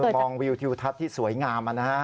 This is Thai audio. มองวิวทิวทัพที่สวยงามมา